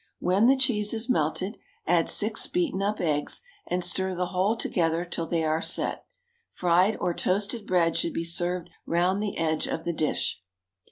When the cheese is melted, add six beaten up eggs, and stir the whole together till they are set. Fried or toasted bread should be served round the edge of the dish.